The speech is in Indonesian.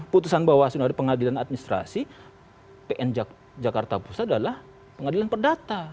putusan bawaslu dari pengadilan administrasi pn jakarta pusat adalah pengadilan perdata